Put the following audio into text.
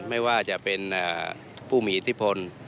ไม่ว่าจะเป็นผู้มีอิทธิพล